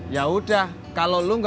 yang akan saya husband dengan dia